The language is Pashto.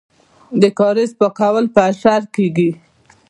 د کاریز پاکول په اشر کیږي.